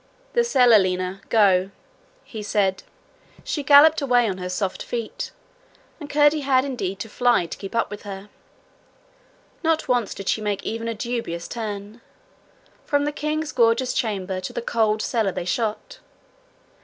'The cellar, Lina: go,' he said. She galloped away on her soft feet, and Curdie had indeed to fly to keep up with her. Not once did she make even a dubious turn. From the king's gorgeous chamber to the cold cellar they shot.